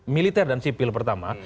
militer dan sipil pertama